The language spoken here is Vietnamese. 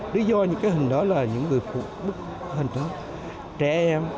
lý do những cái hình đó là những người phụ bức hình trẻ em